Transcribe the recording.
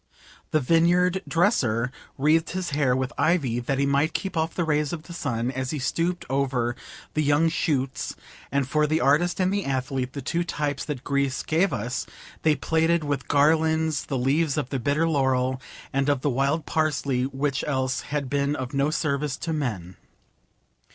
The vineyard dresser wreathed his hair with ivy that he might keep off the rays of the sun as he stooped over the young shoots, and for the artist and the athlete, the two types that Greece gave us, they plaited with garlands the leaves of the bitter laurel and of the wild parsley, which else had been of no service to men.